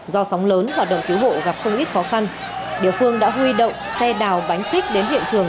do sóng lớn hoạt động cứu hộ gặp không ít khó khăn địa phương đã huy động xe đào bánh xích đến hiện trường